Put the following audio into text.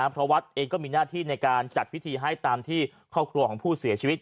เพราะวัดเองก็มีหน้าที่ในการจัดพิธีให้ตามที่ครอบครัวของผู้เสียชีวิต